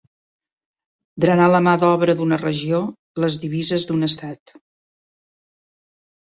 Drenar la mà d'obra d'una regió, les divises d'un estat.